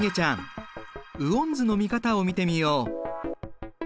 雨温図の見方を見てみよう。